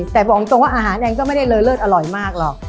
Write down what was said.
แต่บอกตรงว่าอาหารเองก็ไม่ได้เลอเลิศอร่อยมากหรอก